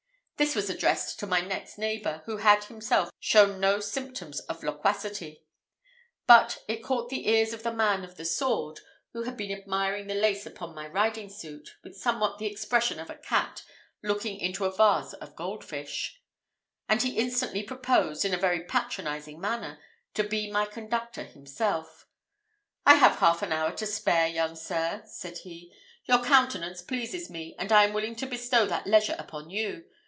This was addressed to my next neighbour, who had himself shown no symptoms of loquacity; but, it caught the ears of the man of the sword, who had been admiring the lace upon my riding suit, with somewhat the expression of a cat looking into a vase of gold fish; and he instantly proposed, in a very patronizing manner, to be my conductor himself. "I have half an hour to spare, young sir," said he; "your countenance pleases me, and I am willing to bestow that leisure upon you.